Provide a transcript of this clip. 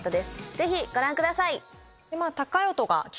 ぜひご覧ください。